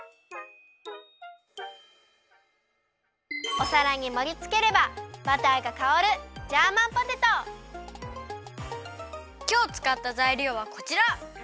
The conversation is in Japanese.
おさらにもりつければバターがかおるきょうつかったざいりょうはこちら。